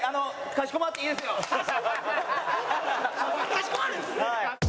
かしこまるんですね。